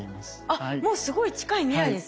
あっもうすごい近い未来ですね。